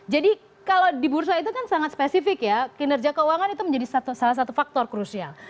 jadi kalau di bursa itu kan sangat spesifik ya kinerja keuangan itu menjadi salah satu faktor krusial